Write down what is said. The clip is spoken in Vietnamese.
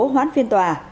hoãn phiên tòa